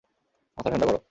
মাথা ঠান্ডা কর!